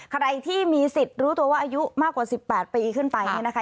ใครที่มีสิทธิ์รู้ตัวว่าอายุมากกว่า๑๘ปีขึ้นไปเนี่ยนะคะ